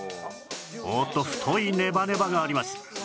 おっと太いネバネバがあります